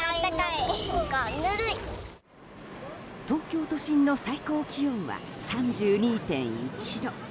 東京都心の最高気温は３２．１度。